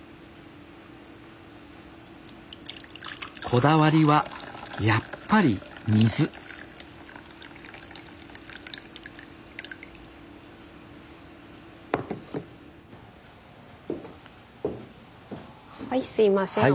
こだわりはやっぱり水はいすいません